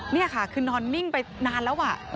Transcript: นี่ค่ะคือนอนนิ่งไปนานแล้ว